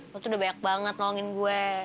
lu tuh udah banyak banget nolongin gue